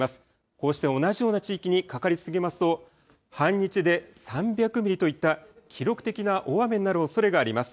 こうして同じような地域にかかり続けますと半日で３００ミリといった記録的な大雨になるおそれがあります。